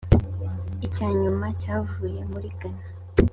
icya nyuma cyavuye muri ghana